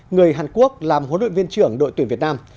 người hàn quốc làm huấn luyện viên trưởng đội tuyển việt nam